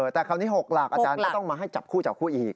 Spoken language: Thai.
แต่ครับนี่๖หลักอาจารย์ก็ต้องมาให้จับคู่อีก